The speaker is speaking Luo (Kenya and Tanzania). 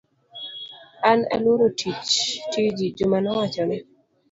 An aluoro tiji, Juma nowachone.